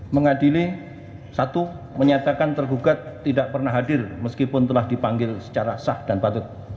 mengadili satu menyatakan tergugat tidak pernah hadir meskipun telah dipanggil secara sah dan patut